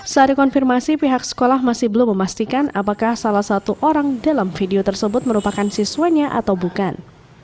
saat dikonfirmasi pihak sekolah masih belum memastikan apakah salah satu orang dalam video tersebut merupakan siswanya atau bukan